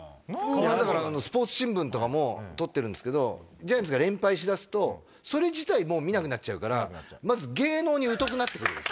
だからスポーツ新聞とかも取ってるんですけどジャイアンツが連敗しだすとそれ自体見なくなっちゃうからまず。